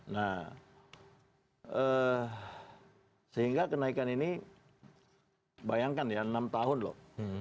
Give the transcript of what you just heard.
nah sehingga kenaikan ini bayangkan ya enam tahun loh